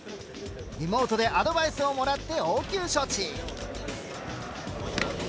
リモートでアドバイスをもらって応急処置。